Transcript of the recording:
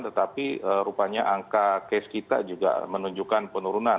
tetapi rupanya angka case kita juga menunjukkan penurunan